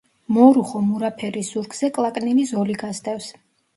მორუხო-მურა ფერის ზურგზე კლაკნილი ზოლი გასდევს.